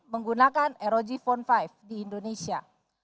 menggunakan rog phone lima di indonesia